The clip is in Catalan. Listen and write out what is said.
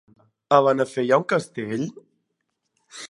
A Benafer hi ha un castell?